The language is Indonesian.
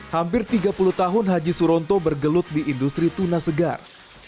hampir tiga puluh tahun haji suronto bergelut di industri tuna segar